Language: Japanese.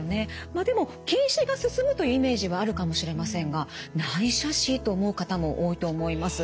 まあでも近視が進むというイメージはあるかもしれませんが「内斜視？」と思う方も多いと思います。